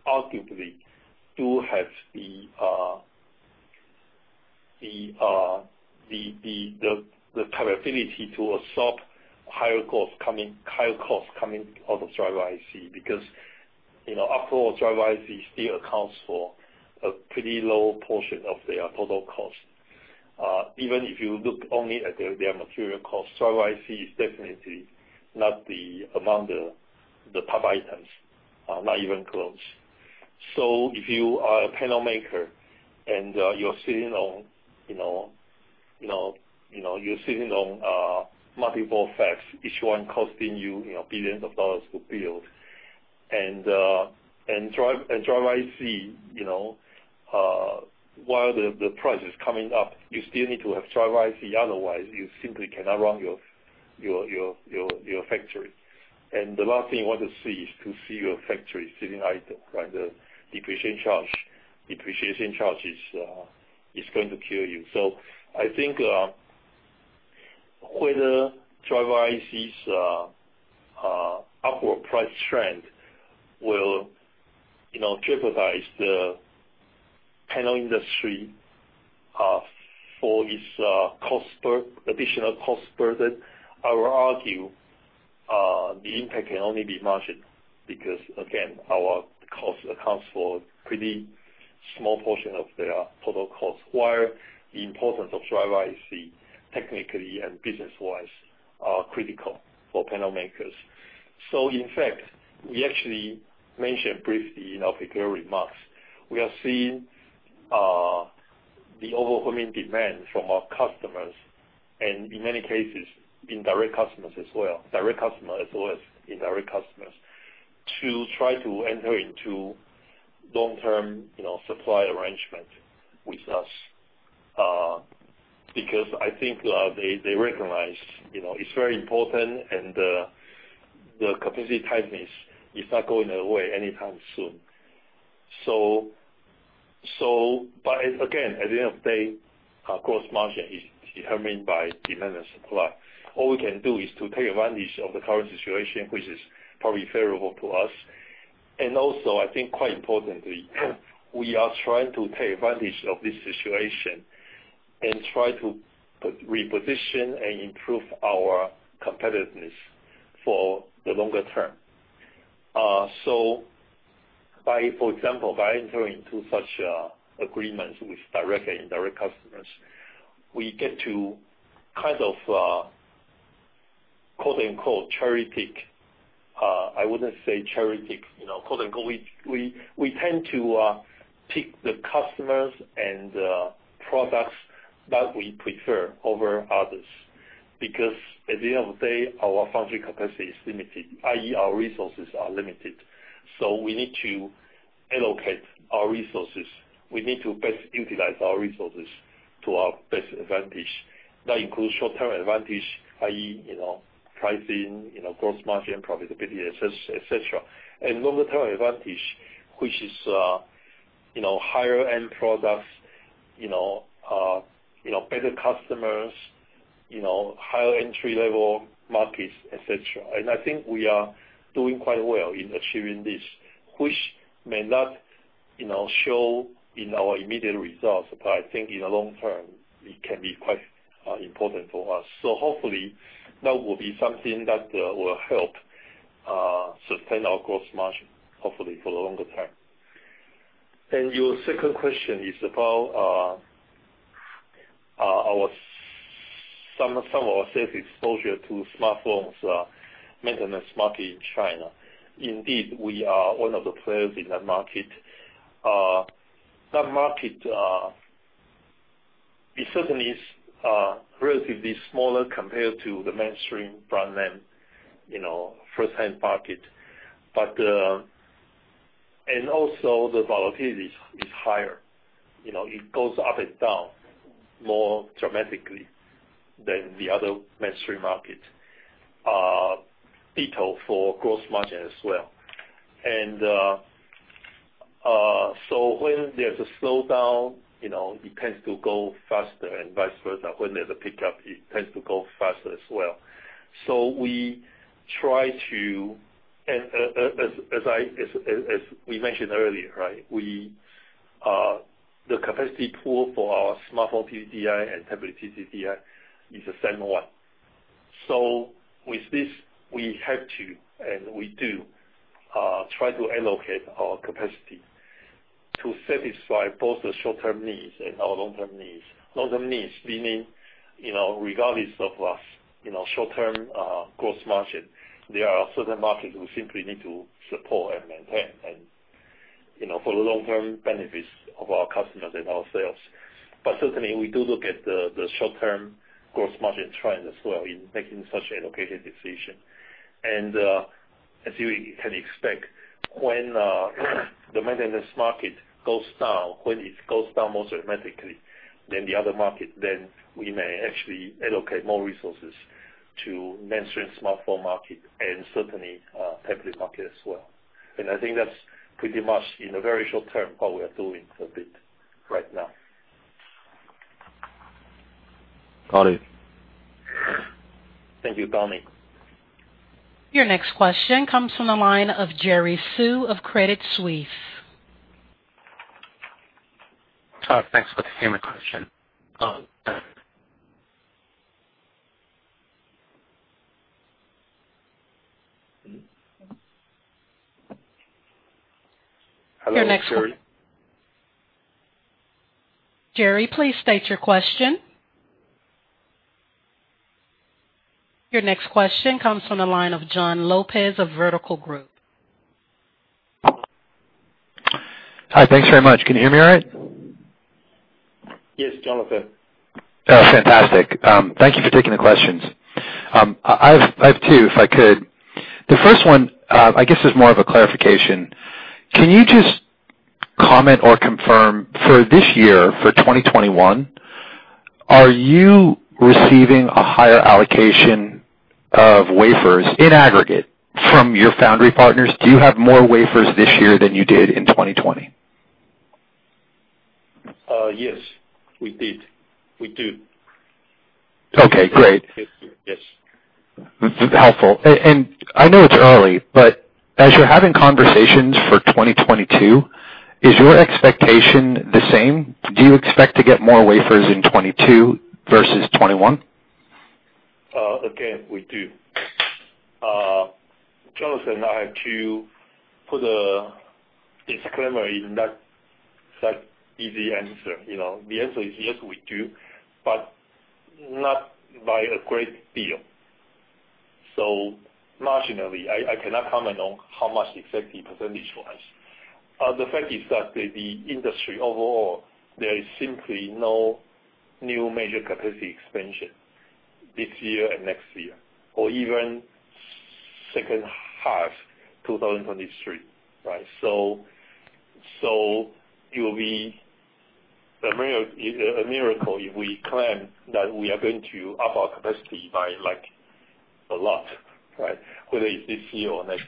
arguably do have the capability to absorb higher costs coming out of driver IC, because, after all, driver IC still accounts for a pretty low portion of their total cost. Even if you look only at their material cost, driver IC is definitely not among the top items. Not even close. If you are a panel maker and you're sitting on multiple fabs, each one costing you billions of dollars to build, and driver IC, while the price is coming up, you still need to have driver IC, otherwise you simply cannot run your factory. And the last thing you want to see is to see your factory sitting idle, right? The depreciation charge is going to kill you. I think, whether driver IC's upward price trend will jeopardize the panel industry for its additional cost burden, I would argue, the impact can only be margin. Again, our cost accounts for pretty small portion of their total cost, while the importance of driver IC, technically and business-wise, are critical for panel makers. In fact, we actually mentioned briefly in our prepared remarks, we are seeing the overwhelming demand from our customers and in many cases, indirect customers as well, direct customer as well as indirect customers, to try to enter into long-term supply arrangement with us. I think they recognize it's very important and the capacity tightness is not going away anytime soon. Again, at the end of the day, our gross margin is determined by demand and supply. All we can do is to take advantage of the current situation, which is probably favorable to us. Also, I think quite importantly, we are trying to take advantage of this situation and try to reposition and improve our competitiveness for the longer term. For example, by entering into such agreements with direct and indirect customers, we get to quote-unquote, cherry-pick. I wouldn't say cherry-pick. Quote, unquote. We tend to pick the customers and products that we prefer over others, because at the end of the day, our foundry capacity is limited, i.e., our resources are limited. We need to allocate our resources. We need to best utilize our resources to our best advantage. That includes short-term advantage, i.e., pricing, gross margin, profitability, et cetera. Longer term advantage, which is higher-end products, better customers, higher entry-level markets, et cetera. I think we are doing quite well in achieving this, which may not show in our immediate results, but I think in the long term, it can be quite important for us. Hopefully, that will be something that will help sustain our gross margin, hopefully for the longer term. Your second question is about some of our sales exposure to smartphones maintenance market in China. Indeed, we are one of the players in that market. That market, it certainly is relatively smaller compared to the mainstream brand name first-hand market. Also, the volatility is higher. It goes up and down more dramatically than the other mainstream market, ditto for gross margin as well. When there's a slowdown, it tends to go faster and vice versa. When there's a pickup, it tends to go faster as well. As we mentioned earlier, the capacity pool for our smartphone TDDI and tablet TDDI is the same one. With this, we have to, and we do, try to allocate our capacity to satisfy both the short-term needs and our long-term needs. Long-term needs meaning, regardless of short-term gross margin, there are certain markets we simply need to support and maintain for the long-term benefits of our customers and ourselves. Certainly, we do look at the short-term gross margin trend as well in making such allocation decision. As you can expect, when the maintenance market goes down, when it goes down more dramatically than the other market, then we may actually allocate more resources to mainstream smartphone market and certainly tablet market as well. I think that's pretty much, in the very short term, what we are doing a bit right now. Got it. Thank you, Donnie. Your next question comes from the line of Jerry Su of Credit Suisse. Thanks. Could you hear my question? Hello, Jerry. Jerry, please state your question. Your next question comes from the line of Jon Lopez of Vertical Group. Hi. Thanks very much. Can you hear me all right? Yes, Jon Lopez. Oh, fantastic. Thank you for taking the questions. I have two, if I could. The first one, I guess is more of a clarification. Can you just comment or confirm, for this year, for 2021, are you receiving a higher allocation of wafers in aggregate from your foundry partners? Do you have more wafers this year than you did in 2020? Yes. We did. We do. Okay, great. Yes. Helpful. I know it's early, but as you're having conversations for 2022, is your expectation the same? Do you expect to get more wafers in 2022 versus 2021? Again, we do. Jon, I have to put a disclaimer in that easy answer. The answer is yes, we do, but not by a great deal. Marginally. I cannot comment on how much exactly percentage-wise. The fact is that the industry overall, there is simply no new major capacity expansion this year and next year, or even second half 2023, right? It will be a miracle if we claim that we are going to up our capacity by a lot, right? Whether it's this year or next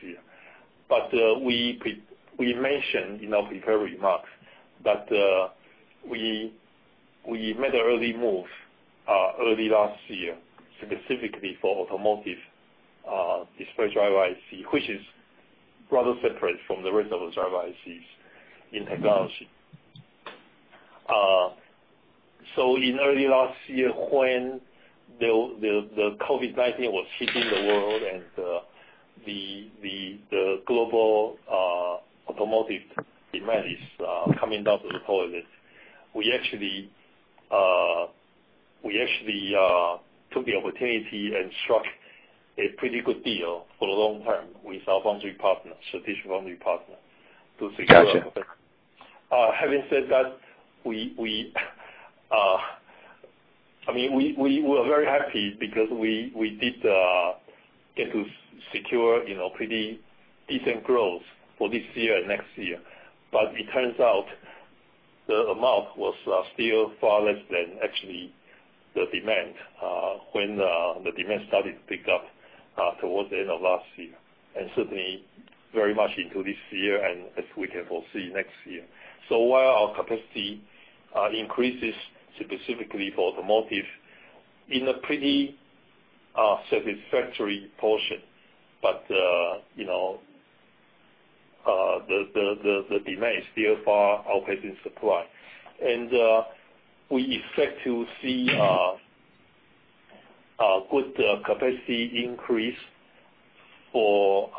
year. We mentioned in our prepared remarks that We made an early move early last year, specifically for automotive display driver IC, which is rather separate from the rest of the driver ICs in technology. In early last year, when the COVID-19 was hitting the world and the global automotive demand is coming down the toilet. We actually took the opportunity and struck a pretty good deal for a long time with our foundry partner, strategic foundry partner. Got you. Having said that, we were very happy because we did get to secure pretty decent growth for this year and next year. It turns out the amount was still far less than actually the demand, when the demand started to pick up towards the end of last year, and certainly very much into this year and as we can foresee next year. While our capacity increases specifically for automotive in a pretty satisfactory portion, the demand is still far outpacing supply. We expect to see a good capacity increase for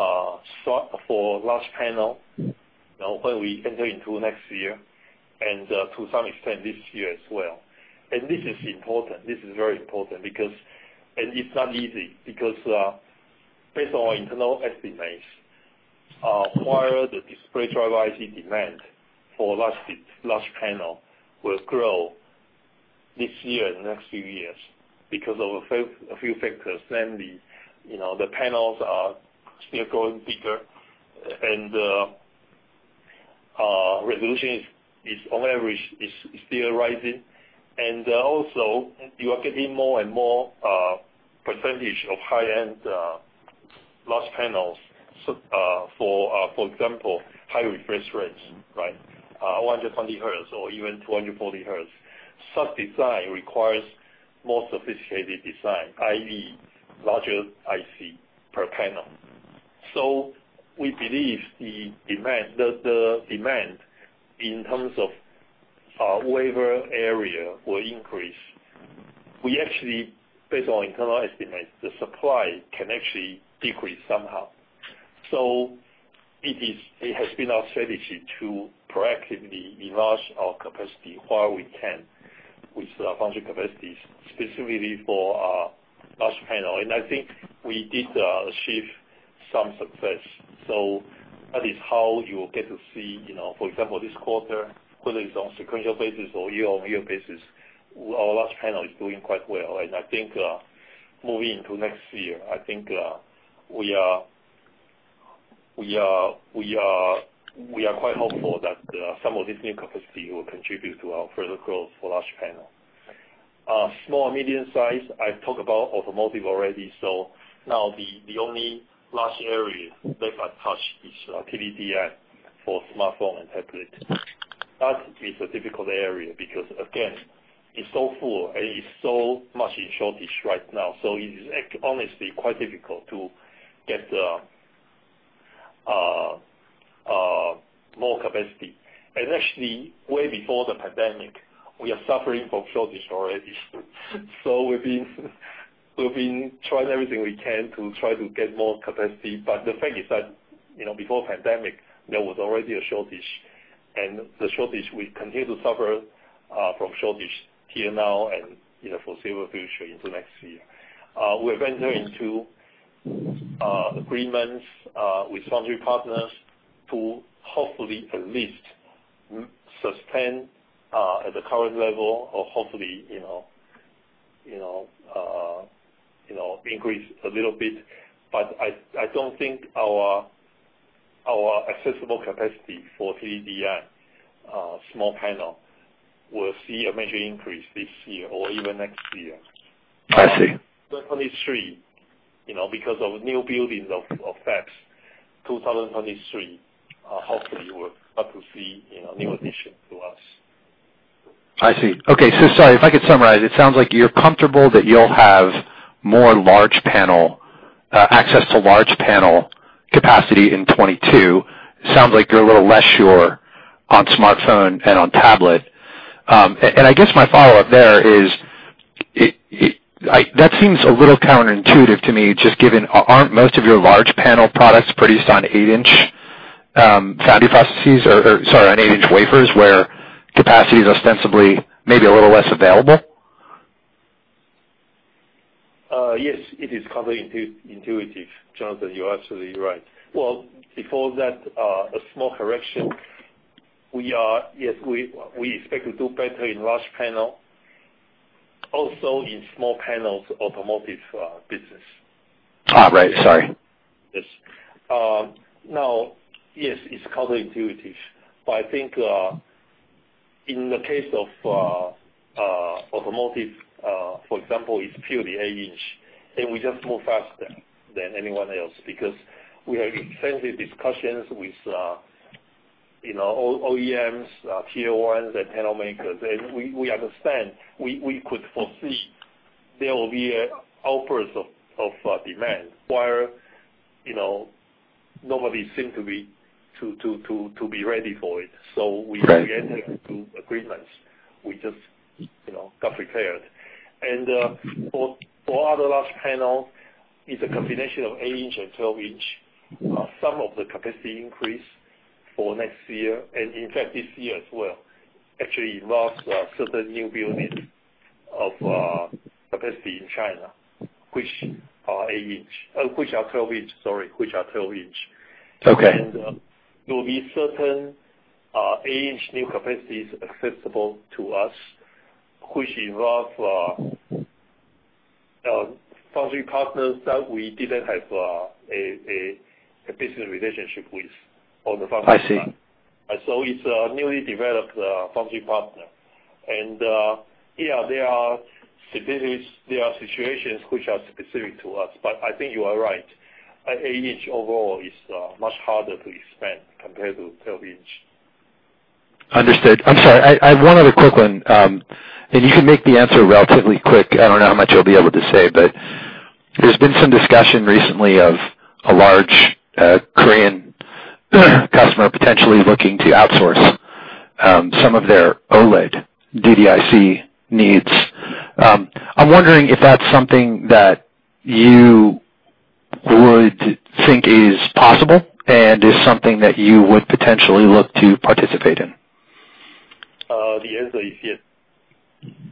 large panel, when we enter into next year and, to some extent, this year as well. This is important. This is very important and it is not easy, because, based on our internal estimates, prior the display driver IC demand for large panel will grow this year and the next few years because of a few factors. Namely, the panels are still growing bigger, and resolution on average is still rising. Also, you are getting more and more percentage of high-end large panels. For example, high refresh rates, 120 Hz or even 240 Hz. Such design requires more sophisticated design, i.e., larger IC per panel. We believe the demand in terms of wafer area will increase. Based on internal estimates, the supply can actually decrease somehow. It has been our strategy to proactively enlarge our capacity where we can with our foundry capacities, specifically for large panel. I think we did achieve some success. That is how you will get to see, for example, this quarter, whether it's on sequential basis or year-over-year basis, our large panel is doing quite well. I think, moving into next year, I think, we are quite hopeful that some of this new capacity will contribute to our further growth for large panel. Small, medium size, I've talked about automotive already. Now the only one large area left untouched is TDDI for smartphone and tablet. That is a difficult area because, again, it's so full and it's so much in shortage right now. It is honestly quite difficult to get more capacity. Actually, way before the pandemic, we are suffering from shortage already. We've been trying everything we can to try to get more capacity. The fact is that, before pandemic, there was already a shortage, and we continue to suffer from shortage here now and, for foreseeable future into next year. We're entering into agreements with foundry partners to hopefully at least sustain at the current level or hopefully increase a little bit. I don't think our accessible capacity for TDDI, small panel, will see a major increase this year or even next year. I see. 2023, because of new buildings, of fabs, 2023, hopefully we'll start to see new addition to us. I see. Okay. Sorry, if I could summarize, it sounds like you're comfortable that you'll have more access to large panel capacity in 2022. Sounds like you're a little less sure on smartphone and on tablet. I guess my follow-up there is, that seems a little counterintuitive to me, just given, aren't most of your large panel products produced on 8-in foundry processes? Sorry, on 8-in wafers, where capacity is ostensibly maybe a little less available? Yes, it is counterintuitive, Jon, you are absolutely right. Well, before that, a small correction. Yes, we expect to do better in large panel, also in small panels automotive business. Right. Sorry. Yes. Now, yes, it's counterintuitive, but I think, in the case of automotive, for example, it's purely 8-in. We just move faster than anyone else because we have extensive discussions with OEMs, Tier 1s and panel makers, and we understand, we could foresee there will be an outburst of demand where nobody seemed to be ready for it. Right. We entered into agreements. We just got prepared. For our large panel, it's a combination of 8 in and 12 in. Some of the capacity increase for next year, and in fact this year as well, actually involves certain new units of capacity in China, which are 12 in. Okay. There will be certain 8-in new capacities accessible to us, which involve foundry partners that we didn't have a business relationship with on the foundry side. I see. It's a newly developed foundry partner. Yeah, there are situations which are specific to us. I think you are right. 8 in overall is much harder to expand compared to 12 in. Understood. I'm sorry, I have one other quick one. You can make the answer relatively quick. I don't know how much you'll be able to say, but there's been some discussion recently of a large Korean customer potentially looking to outsource some of their OLED DDIC needs. I'm wondering if that's something that you would think is possible, and is something that you would potentially look to participate in. The answer is yes.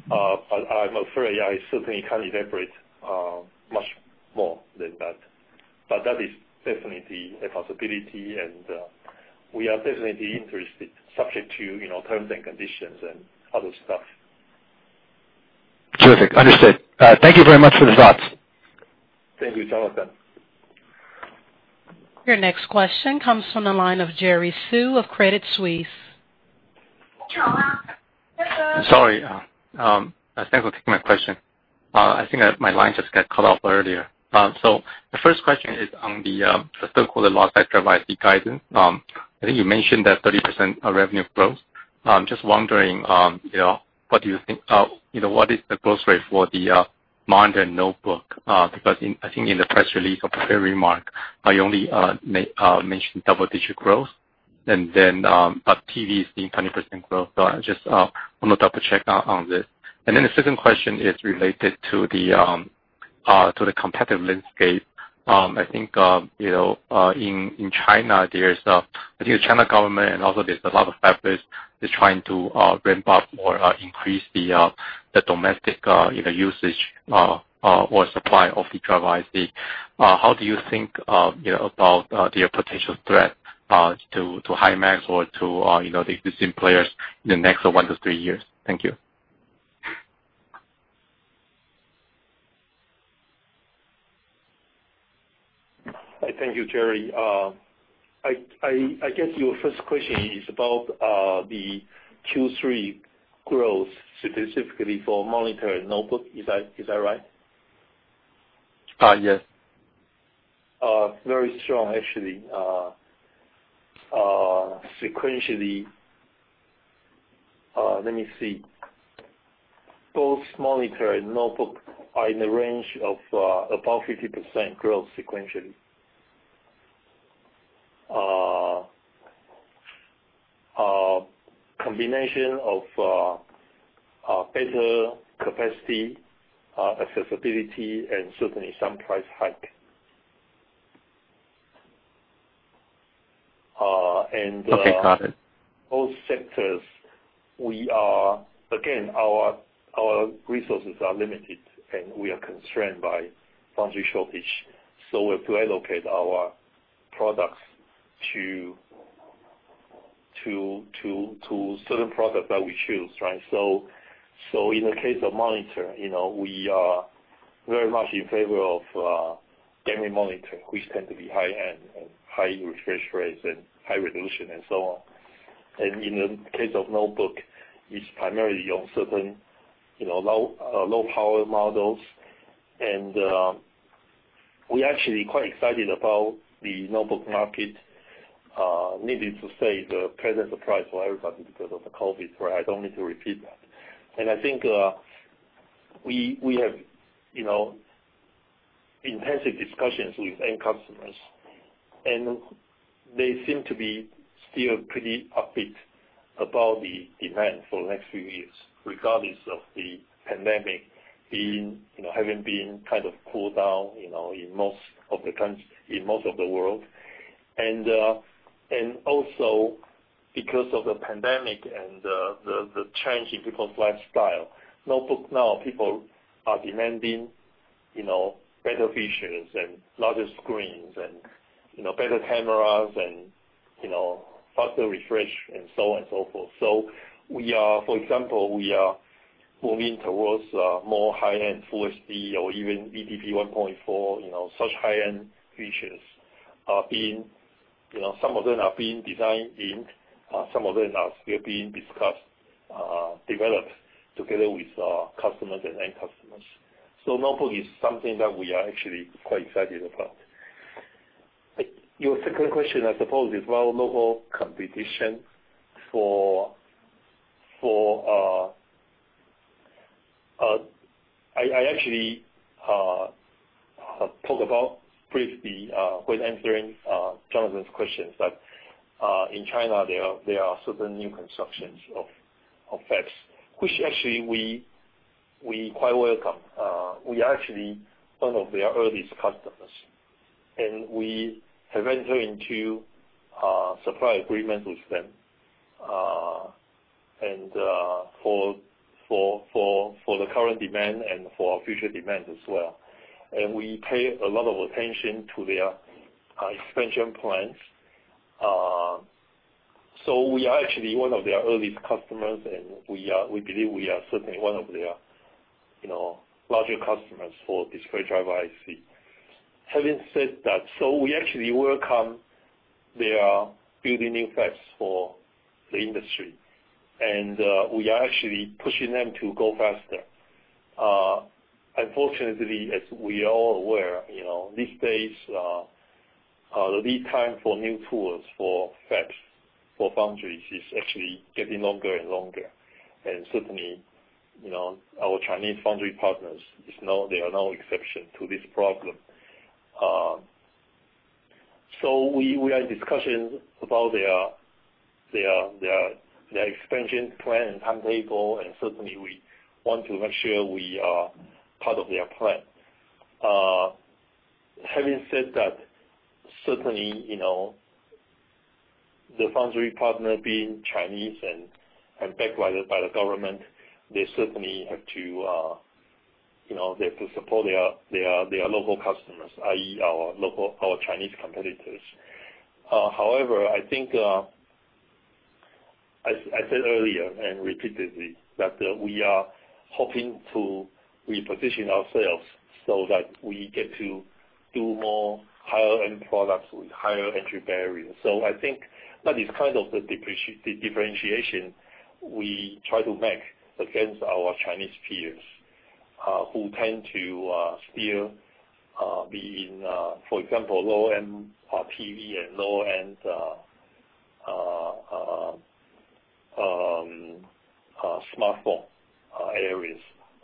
I'm afraid I certainly can't elaborate much more than that. That is definitely a possibility, and we are definitely interested, subject to terms and conditions and other stuff. Terrific. Understood. Thank you very much for the thoughts. Thank you, Jon. Your next question comes from the line of Jerry Su of Credit Suisse. Sorry. Thanks for taking my question. I think that my line just got cut off earlier. The first question is on the, I still call it loss, but drive IC guidance. I think you mentioned that 30% of revenue growth. Just wondering, what is the growth rate for the monitor and notebook? I think in the press release or prepared remark, you only mentioned double-digit growth. TV is seeing 20% growth. I just want to double-check on this. The second question is related to the competitive landscape. I think, in China, I think the China government and also there's a lot of fabless is trying to ramp up or increase the domestic usage or supply of the drive IC. How do you think about their potential threat to Himax or to the existing players in the next one to three years? Thank you. Thank you, Jerry. I guess your first question is about the Q3 growth specifically for monitor and notebook, is that right? Yes. Very strong, actually. Sequentially. Let me see. Both monitor and notebook are in the range of about 50% growth sequentially. A combination of better capacity, accessibility, and certainly some price hike. Okay, got it. Both sectors, again, our resources are limited, and we are constrained by foundry shortage. We have to allocate our products to certain products that we choose, right? In the case of monitor, we are very much in favor of gaming monitor, which tend to be high-end and high refresh rates and high resolution and so on. In the case of notebook, it's primarily on certain low power models. We actually quite excited about the notebook market. Needless to say, the pleasant surprise for everybody because of the COVID-19, right? I don't need to repeat that. I think we have intensive discussions with end customers, and they seem to be still pretty upbeat about the demand for the next few years, regardless of the pandemic having been kind of cooled down in most of the world. Also because of the pandemic and the change in people's lifestyle. Notebook, now, people are demanding better features and larger screens and better cameras and faster refresh and so on and so forth. For example, we are moving towards more high-end full HD or even eDP 1.4. Such high-end features, some of them are being designed in, some of them are still being discussed, developed together with our customers and end customers. Notebook is something that we are actually quite excited about. Your second question, I suppose, is about local competition. I actually talked about briefly when answering Jon's questions, that in China, there are certain new constructions of fabs, which actually we quite welcome. We are actually one of their earliest customers, and we have entered into supply agreement with them. For the current demand and for future demand as well. We pay a lot of attention to their expansion plans. We are actually one of their earliest customers, and we believe we are certainly one of their larger customers for display driver IC. Having said that, we actually welcome their building new fabs for the industry, and we are actually pushing them to go faster. Unfortunately, as we are all aware, these days, the lead time for new tools for fabs, for foundries is actually getting longer and longer. Certainly, our Chinese foundry partners, they are no exception to this problem. We are in discussions about their expansion plan and timetable, and certainly, we want to make sure we are part of their plan. Having said that, certainly, the foundry partner being Chinese and backed by the government, they certainly have to support their local customers, i.e., our Chinese competitors. I said earlier and repeatedly, that we are hoping to reposition ourselves so that we get to do more higher-end products with higher entry barriers. That is kind of the differentiation we try to make against our Chinese peers, who tend to still be in, for example, low-end TV and low-end smartphone areas,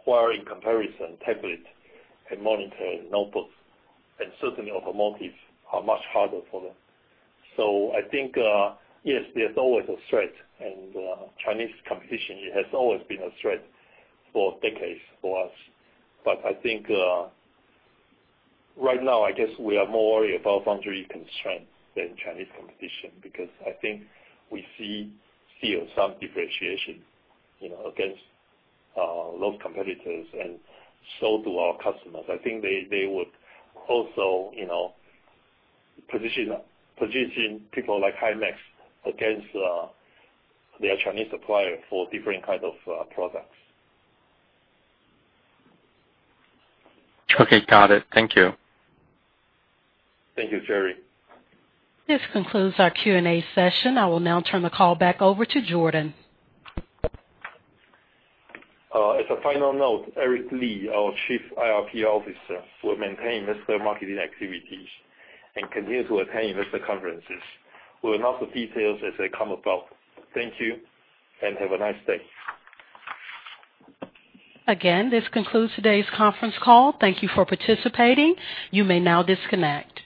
where in comparison, tablet and monitor and notebooks, and certainly automotive, are much harder for them. Yes, there's always a threat, and Chinese competition, it has always been a threat for decades for us. Right now, I guess we are more worried about foundry constraint than Chinese competition, because we see still some differentiation against those competitors, and so do our customers. They would also position people like Himax against their Chinese supplier for different kind of products. Okay, got it. Thank you. Thank you, Jerry. This concludes our Q&A session. I will now turn the call back over to Jordan. As a final note, Eric Li, our Chief IR/PR Officer, will maintain investor marketing activities and continue to attend investor conferences. We will announce the details as they come about. Thank you, and have a nice day. Again, this concludes today's conference call. Thank you for participating. You may now disconnect.